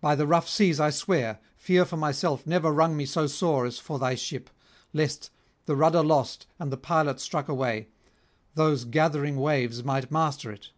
By the rough seas I swear, fear for myself never wrung me so sore as for thy ship, lest, the rudder lost and the pilot struck away, those gathering waves might master it.